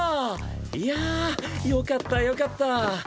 いやよかったよかった。